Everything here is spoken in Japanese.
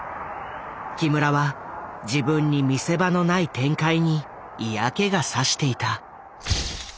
木村は自分に見せ場のない展開に嫌気が差していた。